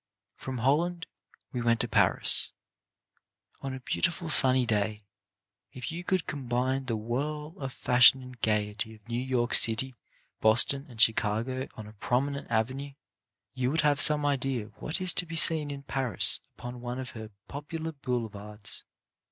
From Holland we went to Paris. On a beauti ful, sunny day, if you could combine the whirl of fashion and gaiety of New York City, Boston and Chicago on a prominent avenue, you would have some idea of what is to be seen in Paris upon one of her popular boulevards.